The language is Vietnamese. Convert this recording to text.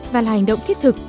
và là hành động thiết thực